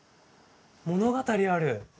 物語ある！